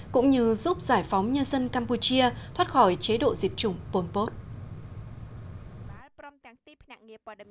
cũng như giúp giải phóng nhân dân campuchia thoát khỏi chế độ diệt chủng pol pot